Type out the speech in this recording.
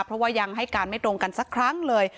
เพราะว่ายังให้การไม่ตรงกันสักครั้งเลย